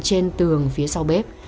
trên tường phía sau bếp